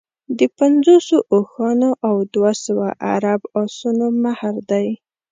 د پنځوسو اوښانو او دوه سوه عرب اسونو مهر دی.